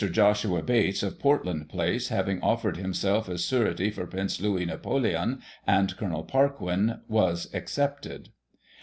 Joshua Bates, of Portland Place, having offered him self as surety for Prince Louis Napoleon and Col. Parquin, was accepted.